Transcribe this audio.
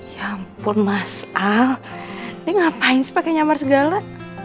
ya ampun mas al ini ngapain sih pakai nyamar segala